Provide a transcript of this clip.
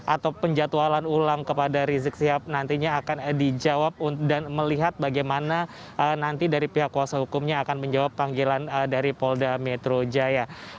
atau penjatualan ulang kepada rizik sihab nantinya akan dijawab dan melihat bagaimana nanti dari pihak kuasa hukumnya akan menjawab panggilan dari polda metro jaya